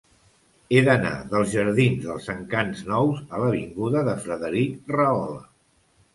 He d'anar dels jardins dels Encants Nous a l'avinguda de Frederic Rahola.